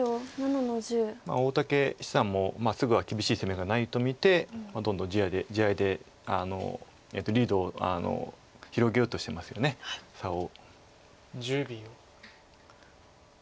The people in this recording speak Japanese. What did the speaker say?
大竹七段もすぐは厳しい攻めがないと見てどんどん地合いでリードを広げようとしてますよね差を。